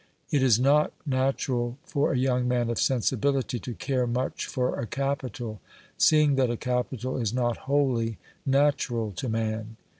It is not natural for a young man of sensibility to care much for a capital, seeing that a capital is not wholly natural to man.